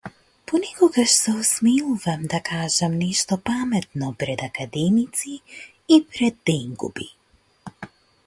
Понекогаш се осмелувам да кажам нешто паметно пред академици и пред денгуби.